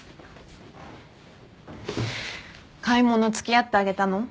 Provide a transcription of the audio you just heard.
買い物付き合ってあげたの？